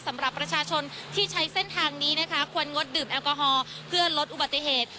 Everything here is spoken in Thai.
สำหรับประชาชนที่ใช้เส้นทางนี้นะคะควรงดดื่มแอลกอฮอล์เพื่อลดอุบัติเหตุ